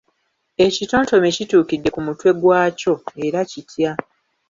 Ekitontome kituukidde ku mutwe gwa kyo, era kitya?